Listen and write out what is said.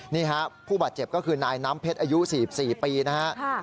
นี่ฮะผู้บาดเจ็บก็คือนายน้ำเพชรอายุ๔๔ปีนะฮะ